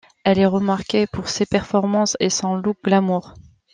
Elle est remarquée pour ses performances et son look glamour.